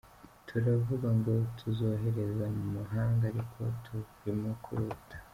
Turavuga ngo tuzohereza mu mahanga, ariko turimo kurota.